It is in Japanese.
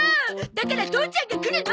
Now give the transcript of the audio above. だから父ちゃんが来るの！